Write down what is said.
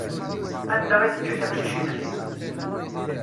Anda i teǧǧa tiqcicin-nni?